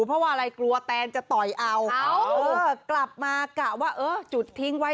เพราะว่าอะไรกลัวแตนจะต่อยเอาเออกลับมากะว่าเออจุดทิ้งไว้